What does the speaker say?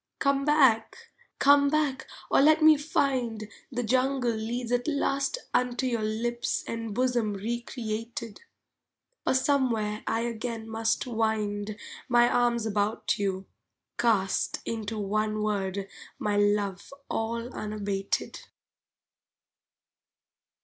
Come back! come back or let me find The jungle leads at last Unto your lips and bosom recreated! O somewhere I again must wind My arms about you, cast Into one word my love all unabated!